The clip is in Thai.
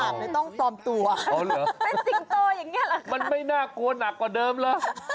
อ๋อเป็นสิงโตอย่างนี้หรือครับมันไม่น่ากลัวหนักกว่าเดิมหรือ